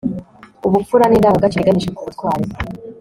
ubupfura ni indangagaciro iganisha ku butwari